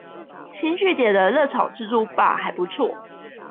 星聚點的熱炒自助吧還不錯